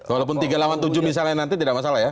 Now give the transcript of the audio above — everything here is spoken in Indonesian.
walaupun tiga lawan tujuh misalnya nanti tidak masalah ya